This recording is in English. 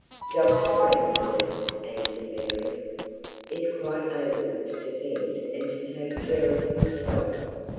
"Dr. Ransford," answered Mary, "is quite able to defend and to take care of himself.